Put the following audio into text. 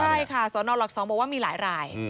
ใช่ค่ะสนหลัก๒บอกว่ามีหลายราย